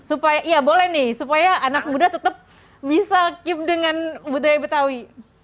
supaya ya boleh nih supaya anak muda tetap bisa keep dengan budaya betawi